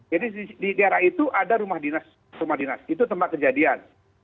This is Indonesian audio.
jadi di daerah itu ada rumah dinas itu tembak kejadian